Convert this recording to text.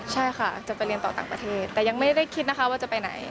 ใช่ค่ะจะไปเรียนต่อต่างประเทศแต่ยังไม่ได้คิดนะคะว่าจะไปไหน